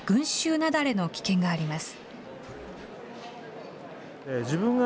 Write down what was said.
雪崩の危険があります。